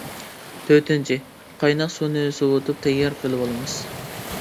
تۆتىنچى: قايناق سۇنى سوۋۇتۇپ تەييار قىلىۋالىمىز.